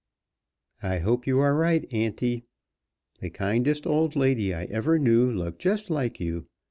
"I hope you are right, auntie. The kindest old lady I ever knew looked just like you.